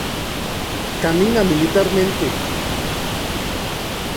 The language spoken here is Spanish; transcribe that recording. Camina militarmente.